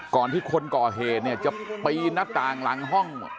ก่อนที่คนก่อเหตุเนี่ยจะปีนหน้าต่างหลังห้อง